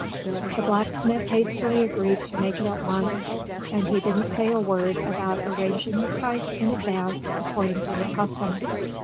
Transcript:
The blacksmith hastily agreed to make it at once, and he didn't say a word about arranging the price in advance according to his custom.